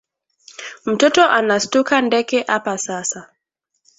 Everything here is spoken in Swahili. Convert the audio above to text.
Mtoto anastuka ndeke apa sasa